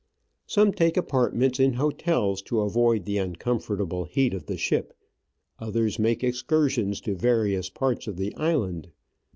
Some take apart ments in hotels to avoid the uncomfortable heat of the ship, others make excursions to various parts of the island.